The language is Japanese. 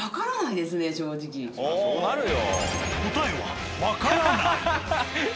そらそうなるよ。